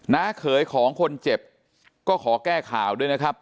เขยของคนเจ็บก็ขอแก้ข่าวด้วยนะครับ